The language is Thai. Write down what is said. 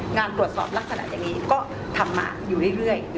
งานตรวจสอบลักษณะอย่างนี้ก็ทำมาอยู่เรื่อย